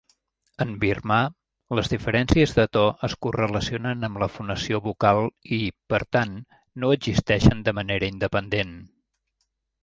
En birmà, les diferències de to es correlacionen amb la fonació vocal i, per tant, no existeixen de manera independent.